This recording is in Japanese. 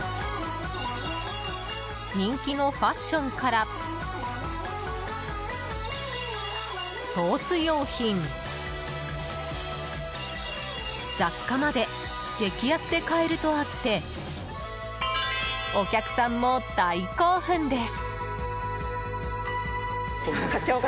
人気のファッションからスポーツ用品雑貨まで激安で買えるとあってお客さんも大興奮です。